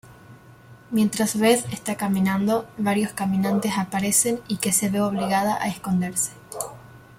Mientras Beth está caminando, varios caminantes aparecen y que se ve obligada a esconderse.